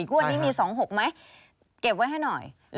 งวดนี้มี๒๖ไหมเก็บไว้ให้หน่อย